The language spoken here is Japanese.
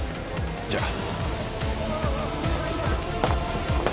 じゃあ。